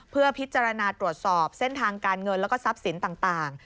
เพื่อพิจารณาตรวจสอบเส้นทางการเงินแล้วก็ทรัพย์สินต่าง